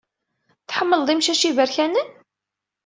Tḥemmled imcac iberkanen?